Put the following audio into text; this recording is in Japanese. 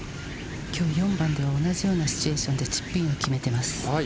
きょう４番で同じようなシチュエーションでチップインを決めています。